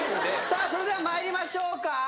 さあそれでは参りましょうか。